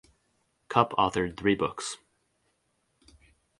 Cupp authored three books.